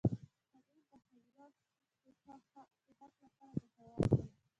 پنېر د ښځینه صحت لپاره ګټور دی.